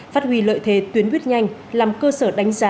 phát huy lợi thế tuyến buýt nhanh làm cơ sở đánh giá